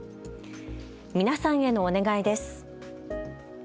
皆さんへのお願いです。